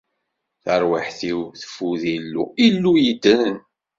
Tarwiḥt-iw teffud Illu, Illu yeddren.